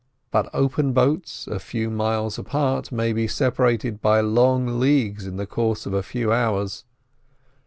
But open boats a few miles apart may be separated by long leagues in the course of a few hours.